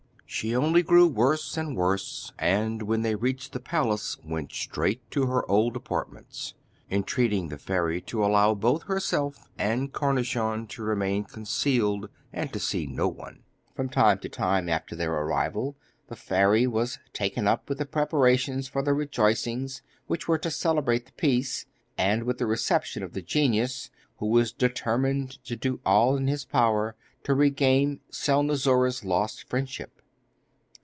She only grew worse and worse, and when they reached the palace went straight to her old apartments, entreating the fairy to allow both herself and Cornichon to remain concealed, and to see no one. For some time after their arrival the fairy was taken up with the preparations for the rejoicings which were to celebrate the peace, and with the reception of the genius, who was determined to do all in his power to regain Selnozoura's lost friendship.